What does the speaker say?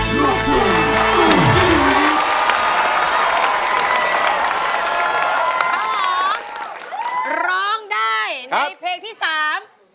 ร้องได้ให้ล้าน